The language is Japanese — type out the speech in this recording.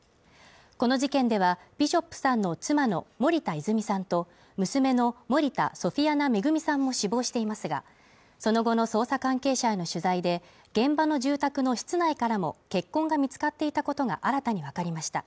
この事件ではビショップさんの妻の森田泉さんと娘の森田ソフィアナ恵さんも死亡していますが、その後の捜査関係者への取材で現場の住宅の室内からも血痕が見つかっていたことが新たに分かりました。